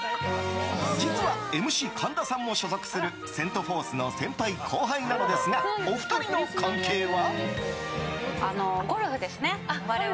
実は、ＭＣ神田さんも所属するセント・フォースの先輩・後輩なのですがお二人の関係は？